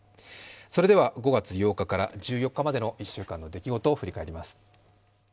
それでは５月８日から１４日までの１週間の出来事を振り返ります。